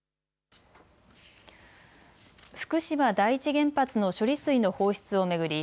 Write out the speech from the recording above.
福島第一原発の処理水の放出を巡り